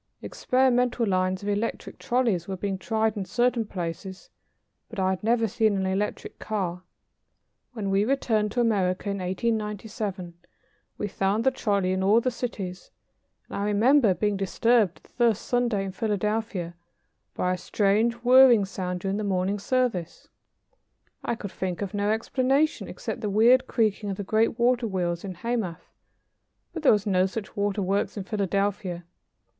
Experimental lines of electric trolleys were being tried in certain places, but I had never seen an electric car. When we returned to America in 1897, we found the trolley in all the cities, and I remember being disturbed, the first Sunday in Philadelphia, by a strange whirring sound during the morning service. I could think of no explanation except the weird creaking of the great water wheels in Hamath, but there were no such waterworks in Philadelphia.